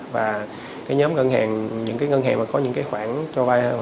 và cái nhóm ngân hàng những cái ngân hàng mà có những cái khoản cho vai